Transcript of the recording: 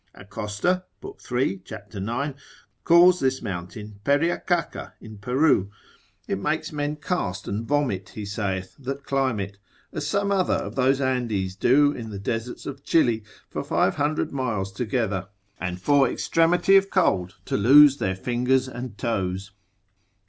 Acosta, l. 3. c. 9. calls this mountain Periacaca in Peru; it makes men cast and vomit, he saith, that climb it, as some other of those Andes do in the deserts of Chile for five hundred miles together, and for extremity of cold to lose their fingers and toes.